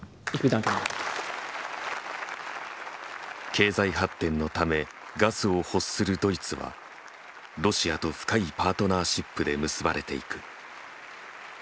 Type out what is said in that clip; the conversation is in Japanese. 経済発展のためガスを欲するドイツはロシアと深いパートナーシップで結ばれていく。